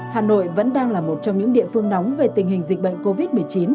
hà nội vẫn đang là một trong những địa phương nóng về tình hình dịch bệnh covid một mươi chín